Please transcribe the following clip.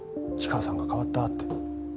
チカラさんが変わったって。